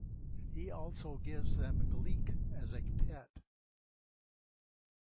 He also gives them Gleek as a pet.